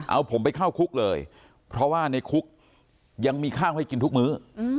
เอาผมไปเข้าคุกเลยเพราะว่าในคุกยังมีข้าวให้กินทุกมื้อ